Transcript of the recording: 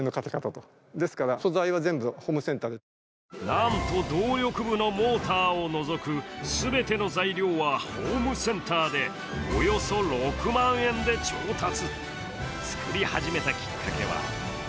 なんと動力部のモーターを除く全ての材料はホームセンターでおよそ６万円で調達。